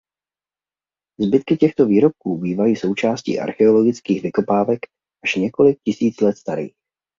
Zbytky těchto výrobků bývají součástí archeologických vykopávek až několik tisíc let starých.